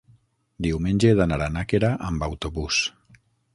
Diumenge he d'anar a Nàquera amb autobús.